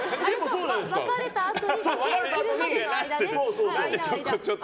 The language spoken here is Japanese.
別れたあと復縁するまでの間よ。